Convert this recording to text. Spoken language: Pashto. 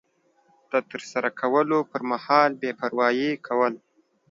د ترسره کولو پر مهال بې پروایي کول